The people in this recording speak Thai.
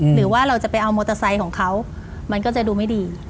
หรือว่าเราจะไปเอามอเตอร์ไซค์ของเขามันก็จะดูไม่ดี